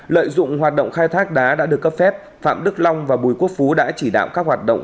lợi dụng hoạt động khai thác đá đã được cấp phép phạm đức long và bùi quốc phú đã chỉ đạo các hoạt động